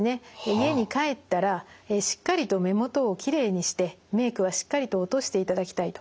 家に帰ったらしっかりと目元をきれいにしてメイクはしっかりと落としていただきたいと。